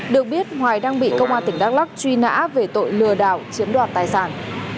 được biết hoài đang bị công an tỉnh đắk lắc truy nã về tội lừa đảo chiếm đoạt tài sản